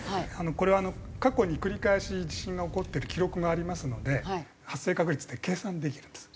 これは過去に繰り返し地震が起こってる記録がありますので発生確率って計算できるんです。